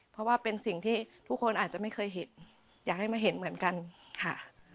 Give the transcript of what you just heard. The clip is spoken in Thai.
เพราะว่าเป็นสิ่งที่ทุกคนอาจจะไม่เคยเห็นอยากให้มาเห็นเหมือนกันค่ะ